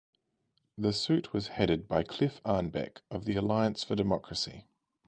The suit was headed by Cliff Arnebeck of the Alliance for Democracy.